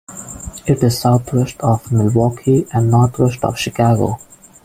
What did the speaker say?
It is southwest of Milwaukee and northwest of Chicago.